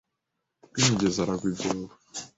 Rwimigezi aragwa ibyobo